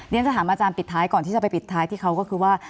ฉันจะถามอาจารย์ปิดท้ายก่อนที่จะไปปิดท้ายที่เขาก็คือว่า